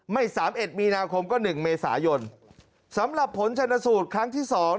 ไม่๓๑มีนาคมก็๑เมษายนสำหรับผลชัยนสูตรครั้งที่๒